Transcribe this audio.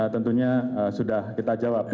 tentunya sudah kita jawab